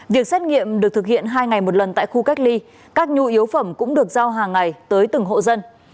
việc xét nghiệm được thực hiện hai ngày một lần tại khu cách ly các nhu yếu phẩm cũng được giao hàng ngày tới từng hộ dân